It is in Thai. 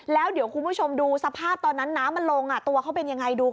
แล้วเดี๋ยวคุณผู้ชมดูสภาพตอนนั้นน้ำมันลงตัวเขาเป็นยังไงดูค่ะ